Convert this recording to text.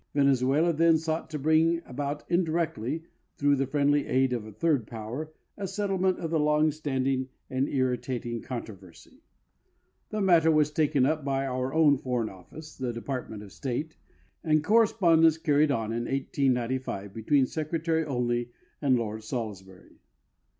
Venezuela then sought to bring about indirectly, through the friendly aid of a third power, a settlement of the long standing 13 194 THE VENEZUELAN BOUNDARY COMMISSION and irritating controvers3^ The matter was taken up by our own foreign ofl&ce (the Department of State) and correspondence car ried on in 1895 between Secretary Ohie}" and Lord Salisbury.